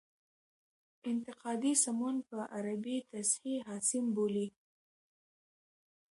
انتقادي سمون په عربي تصحیح حاسم بولي.